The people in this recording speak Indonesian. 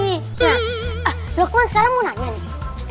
nah lukman sekarang mau nanya nih